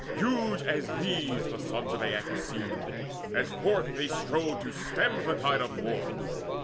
Huge as these The sons of Aeacus seemed, as forth they strode To stem the tide of war.